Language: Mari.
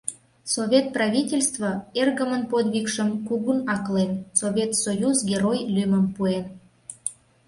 Совет правительстве эргымын подвигшым кугун аклен, Совет Союз Герой лӱмым пуэн.